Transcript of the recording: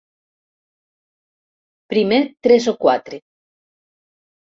Primer tres o quatre.